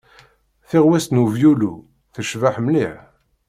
Tiɣwist n wevyulu tecbeḥ mliḥ.